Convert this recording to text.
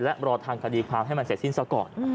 และรอทางคดีความให้มันเสร็จสิ้นซะก่อน